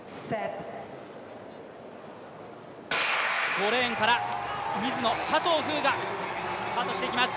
５レーンからミズノ・佐藤風雅スタートしていきます。